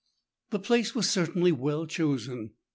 6l The place was certainly well chosen.